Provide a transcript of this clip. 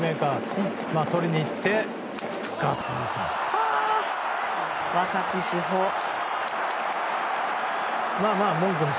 取りに行って、ガツンと。